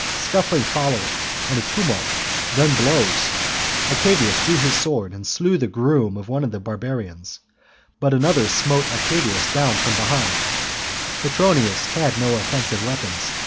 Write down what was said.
Scuffling followed, and atumult, then blows. Octavius drew his sword and slew the groom of one of the Barbarians, but another smote Octavius down from 415 PLUTARCH'S LIVES ὄπισθεν πατάξας.